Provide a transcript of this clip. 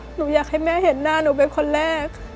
หนูอยากให้แม่เห็นหน้าหนูเป็นคนแรก